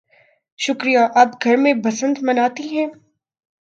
شکریہ. آپ گھر میں بسنت مناتی ہیں؟